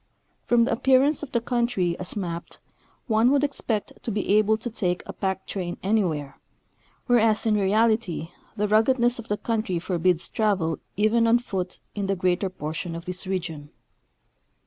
From the appearance of the country as mapped one would expect to be able to take a jjack train anywhere, whereas in reality the ruggedness of the country forbids travel even on foot in the greater portion of this region.